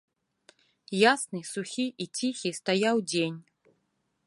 Ясны, сухі і ціхі стаяў дзень.